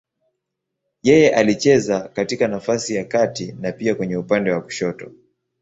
Yeye alicheza katika nafasi ya kati na pia kwenye upande wa kushoto.